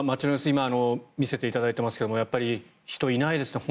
今、見せていただいていますがやっぱり人、いないですね。